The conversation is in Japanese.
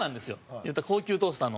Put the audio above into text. いったら、高級トースターの。